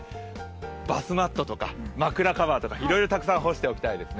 バスマットとか枕カバーとかいろいろたくさん干しておきたいですね。